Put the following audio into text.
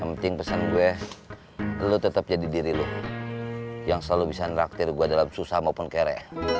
penting pesan gue lu tetap jadi diri lu yang selalu bisa ngeraktir gua dalam susah maupun kere